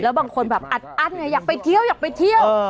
แล้วบางคนแบบอัดไงอยากไปเทียวอยากไปเที่ยว